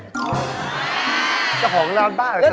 เจ้าของเราต้องเติมเน็ต